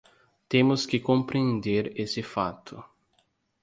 Temos que compreender esse fato.